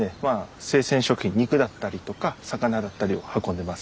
生鮮食品肉だったりとか魚だったりを運んでます。